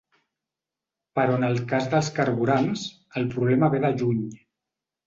Però en el cas dels carburants, el problema ve de lluny.